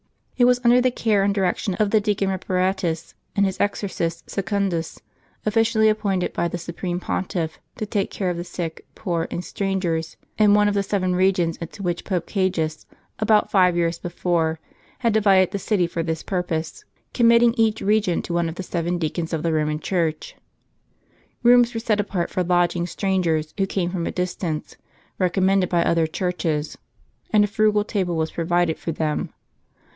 It was under the care and direction of the deacon Repara tus, and his exorcist Secundus, officially appointed by the supreme Pontiff to take care of the sick, poor, and strangers, in one of the seven regions into which Pope Cajus, about five years before, had divided the city for this purpose ; committing each region to one of the seven deacons of the Roman Church, Rooms were set apart for lodging strangers who came from a distance, recommended by other churches; and a frugal table was pro vided for them.